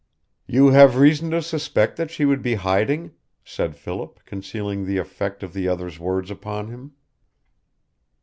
"You have reason to suspect that she would be hiding," said Philip, concealing the effect of the other's words upon him.